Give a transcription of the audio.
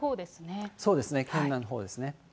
そうですね、県南のほうですね。